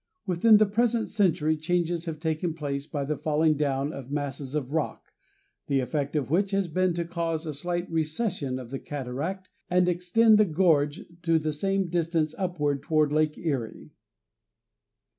Within the present century changes have taken place by the falling down of masses of rock, the effect of which has been to cause a slight recession of the cataract and extend the gorge to the same distance upward toward Lake Erie.